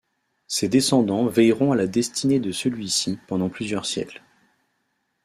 Ses descendants veilleront à la destinée de celui-ci pendant plusieurs siècles.